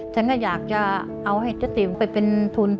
ฉันก็อยากจะเอาให้เจ๊ติ๋มไปเป็นทุน